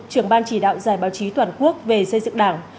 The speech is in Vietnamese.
trưởng ban chỉ đạo giải báo chí toàn quốc về xây dựng đảng